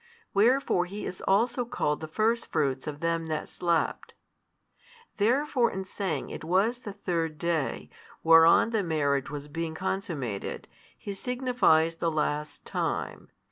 Wherefore He is also called the Firstfruits of them that slept. Therefore in saying it was the third day, whereon the marriage was being consummated, he signifies the last time.